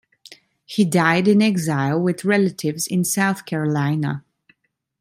He died in exile with relatives in South Carolina.